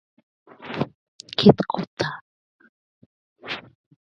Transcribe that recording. Fitzgerald is introduced by the great jazz singer Carmen McRae on the second disc.